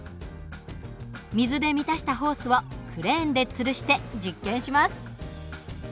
水で満たしたホースをクレーンでつるして実験します。